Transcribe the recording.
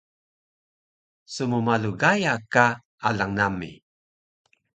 smmalu Gaya ka alang nami